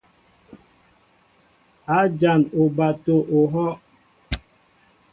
A jan oɓato ohɔʼ.